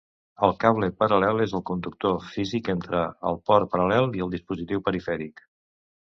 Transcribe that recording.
El cable paral·lel és el connector físic entre el port paral·lel i el dispositiu perifèric.